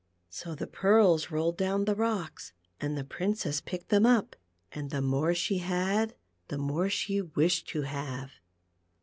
So the pearls rolled down the rocks, and the Princess picked them up, and the more she had, the more she wished to have.